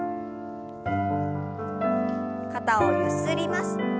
肩をゆすります。